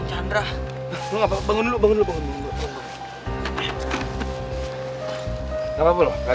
nggak apa apa loh nggak ada yang patah kan